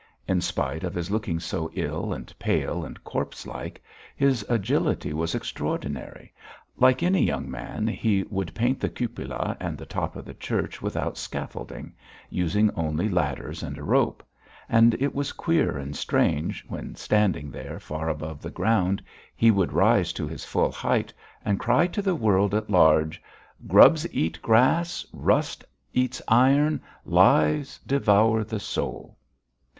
In spite of his looking so ill and pale and corpse like, his agility was extraordinary; like any young man he would paint the cupola and the top of the church without scaffolding, using only ladders and a rope, and it was queer and strange when, standing there, far above the ground, he would rise to his full height and cry to the world at large: "Grubs eat grass, rust eats iron, lies devour the soul!"